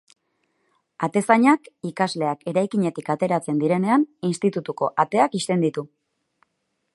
Atezainak ikasleak eraikinetik ateratzen direnean institutuko ateak ixten ditu.